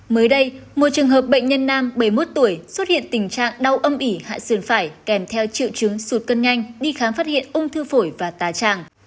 mới đây một trường hợp bệnh nhân nam bảy mươi một tuổi xuất hiện tình trạng đau âm ỉ hại sườn phải kèm theo triệu chứng sụt cân nhanh đi khám phát hiện ung thư phổi và tàng